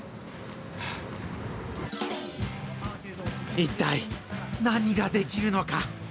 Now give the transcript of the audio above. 一体、何が出来るのか。